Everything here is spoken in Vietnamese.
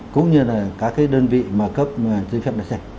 cũng như là các cái đơn vị mà cấp chế phép nền xe